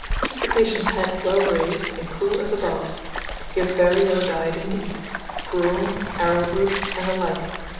Keep the patient's head well raised, and cool as above. Give very low diet indeed: gruel, arrowroot, and the like.